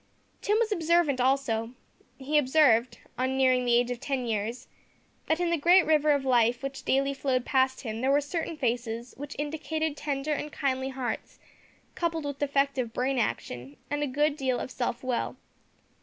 Tim was observant also. He observed, on nearing the age of ten years, that in the great river of life which daily flowed past him, there were certain faces which indicated tender and kindly hearts, coupled with defective brain action, and a good deal of self will.